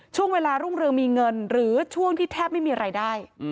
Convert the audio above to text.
ช่วงเวลารุ่งเรืองมีเงินหรือช่วงที่แทบไม่มีรายได้